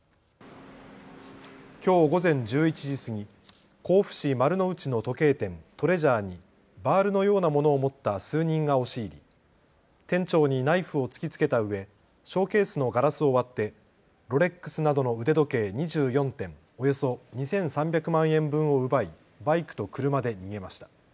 きょう午前１１時過ぎ、甲府市丸の内の時計店、トレジャーにバールのようなものを持った数人が押し入り店長にナイフを突きつけたうえショーケースのガラスを割ってロレックスなどの腕時計２４点、およそ２３００万円分を奪いバイクと車で逃げました。